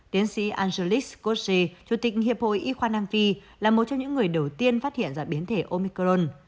tiến sĩ angelis kose chủ tịch hiệp hội y khoa nam phi là một trong những người đầu tiên phát hiện ra biến thể omicron